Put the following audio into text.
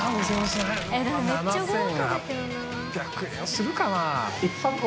するかな？